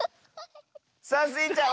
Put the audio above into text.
さあスイちゃん